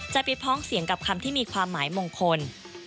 ไปพ้องเสียงกับคำที่มีความหมายมงคล